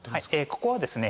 ここはですね。